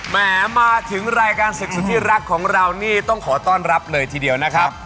แหมมาถึงรายการศึกสุดที่รักของเรานี่ต้องขอต้อนรับเลยทีเดียวนะครับ